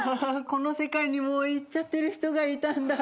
この世界にもいっちゃってる人がいたんだ。